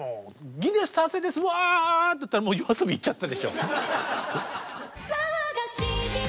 ギネス達成ですわあってやったらもうＹＯＡＳＯＢＩ行っちゃったでしょ。